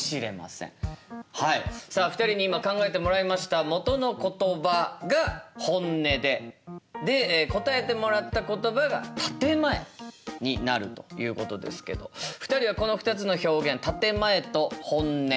はいさあ２人に今考えてもらいましたもとの言葉が「本音」でで答えてもらった言葉が「建て前」になるということですけど２人はこの２つの表現「建て前」と「本音」。